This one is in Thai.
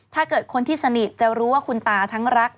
ถ้าเกิดคนที่สนิทจะรู้ว่าคุณตาทั้งรัก